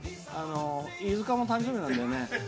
飯塚も誕生日なんだよね。